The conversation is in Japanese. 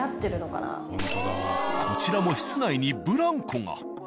こちらも室内にブランコが。